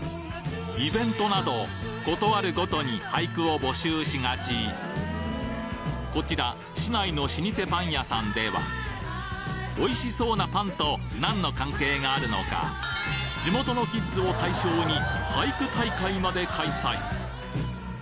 イベントなどことあるごとに俳句を募集しがちこちら市内の老舗パン屋さんではおいしそうなパンと何の関係があるのか地元のキッズを対象に俳句大会まで開催！